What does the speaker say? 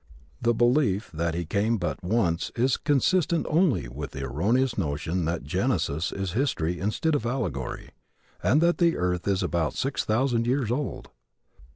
The belief that He came but once is consistent only with the erroneous notion that Genesis is history instead of allegory, and that the earth is about six thousand years old!